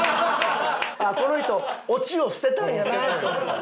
ああこの人オチを捨てたんやなと。